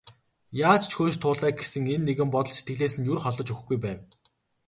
Яаж ч хөөж туулаа гэсэн энэ нэгэн бодол сэтгэлээс нь ер холдож өгөхгүй байв.